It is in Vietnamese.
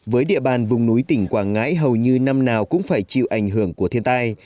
với địa bàn vùng núi tỉnh quảng ngãi hầu như năm nào cũng phải chịu ảnh hưởng của thiên tai